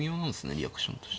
リアクションとして。